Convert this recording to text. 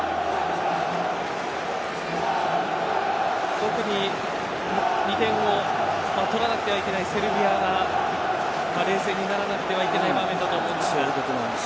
特に２点を取らなければいけないセルビアが冷静にならなければいけない場面だと思います。